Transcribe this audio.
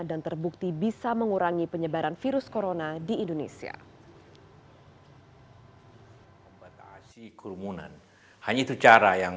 dan terbukti bisa mengurangi penyebaran virus corona di indonesia